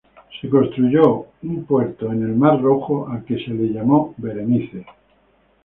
En el Mar Rojo fue construido un puerto al que se llamó Berenice.